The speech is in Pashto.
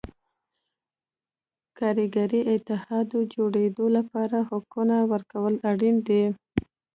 کارګري اتحادیو جوړېدو لپاره حقونو ورکول اړین دي.